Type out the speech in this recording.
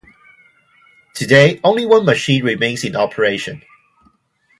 Today, only one machine remains in operation.